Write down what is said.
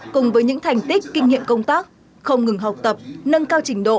cùng với những thành tích kinh nghiệm công tác không ngừng học tập nâng cao trình độ